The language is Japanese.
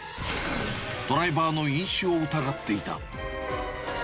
ドライバーの飲酒を疑っていた。